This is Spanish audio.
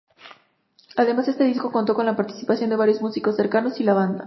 Además, este disco contó con la participación de varios músicos cercanos a la banda.